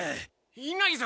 いないぞ。